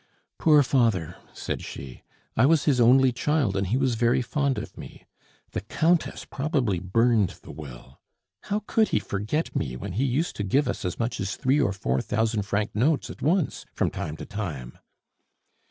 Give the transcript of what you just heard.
"Poor father!" said she. "I was his only child, and he was very fond of me. The Countess probably burned the will. How could he forget me when he used to give us as much as three or four thousand franc notes at once, from time to time?"